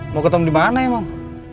mau ketemu dimana emang